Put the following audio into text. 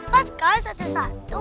pas kan satu satu